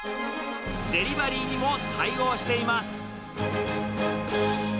デリバリーにも対応しています。